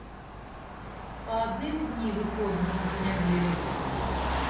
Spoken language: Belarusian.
Па адным дні выходнаму па нядзелях.